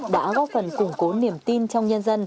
đã góp phần củng cố niềm tin